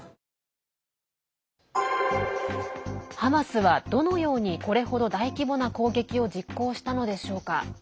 ハマスはどのようにこれほど大規模な攻撃を実行したのでしょうか。